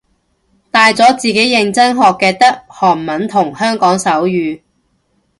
大咗自己認真學嘅得韓文同香港手語